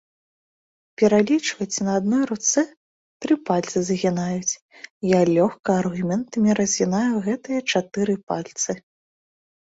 Пералічваць на адной руцэ, тры пальцы згінаюць, я лёгка аргументамі разгінаю гэтыя чатыры пальцы.